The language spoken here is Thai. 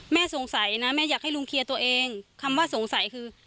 สงสัยนะแม่อยากให้ลุงเคลียร์ตัวเองคำว่าสงสัยคือ